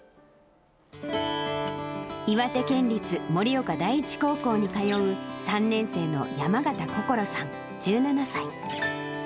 岩手県立盛岡第一高校に通う３年生の山形想さん１７歳。